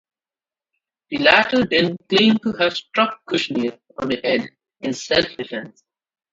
The latter then claimed to have struck Kushnir on the head in self-defense.